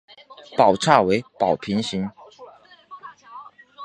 塔刹为宝瓶形。